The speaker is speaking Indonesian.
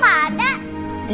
kok gak ada